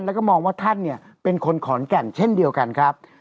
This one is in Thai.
และมองว่าท่านเป็นคนขอนแก่นเช่นเดียวกันครับ